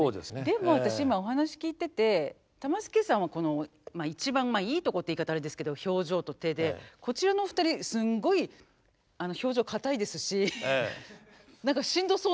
でも私今お話聞いてて玉助さんはこの一番いいとこっていう言い方あれですけど表情と手でこちらの２人すんごい表情硬いですし何かしんどそうなんですけど。